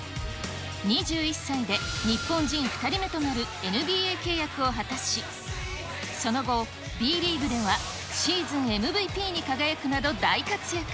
２１歳で日本人２人目となるＮＢＡ契約を果たし、その後、ＢリーグではシーズンＭＶＰに輝くなど、大活躍。